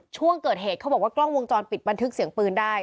ช่วงเกิดเหตุเขาบอกว่ากล้องวงจรปิดบันทึกเสียงปืนได้